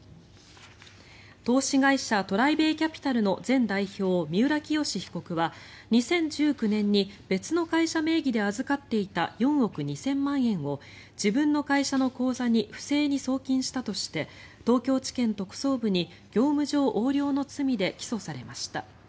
投資会社ＴＲＩＢＡＹＣＡＰＩＴＡＬの前代表、三浦清志被告は２０１９年に別の会社名義で預かっていた４億２０００万円を自分の会社の口座に不正に送金したとして東京地検特捜部に業務上横領の罪で起訴されました。